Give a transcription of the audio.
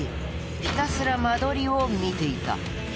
ひたすら間取りを見ていた。